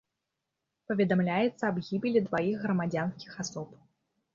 Паведамляецца аб гібелі дваіх грамадзянскіх асоб.